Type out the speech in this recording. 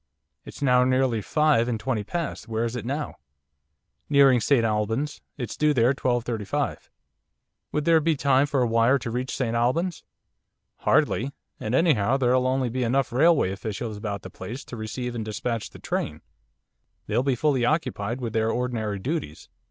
It's now nearly five and twenty past. Where's it now?' 'Nearing St Albans, it's due there 12.35.' 'Would there be time for a wire to reach St Albans?' 'Hardly, and anyhow there'll only be enough railway officials about the place to receive and despatch the train. They'll be fully occupied with their ordinary duties.